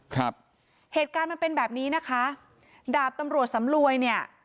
ครับเหตุการณ์มันเป็นแบบนี้นะคะดาบตำรวจสำรวยเนี่ย